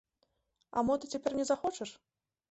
А мо ты цяпер не захочаш?